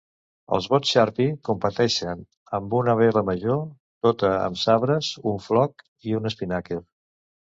Els bots Sharpie competeixen amb una vela major tota amb sabres, un floc i un espinàquer.